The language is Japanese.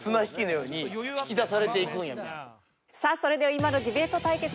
それでは今のディベート対決